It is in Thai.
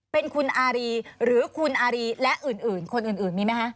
เป็นคุณอารีหรือคุณอารีและอื่นคนอื่นมีไหมคะ